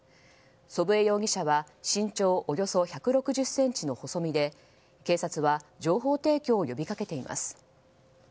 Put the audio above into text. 祖父江容疑者は身長およそ１６０ｃｍの細身で警察は情報提供を呼びかけています。